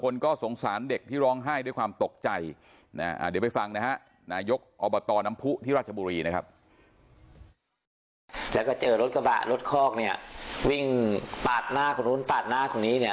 แล้วก็เจอรถกระบะรถคอกเนี่ยวิ่งปาดหน้าคนนู้นปาดหน้าคนนี้เนี่ย